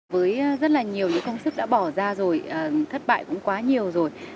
với rất là nhiều những công sức đã bỏ ra rồi thất bại cũng quá nhiều rồi